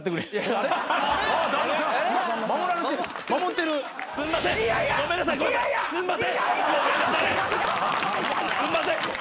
すんません！